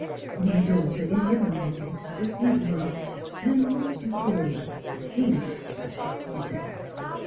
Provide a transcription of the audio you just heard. " My daughter is young excessivement an' w'at you call foolish," he said.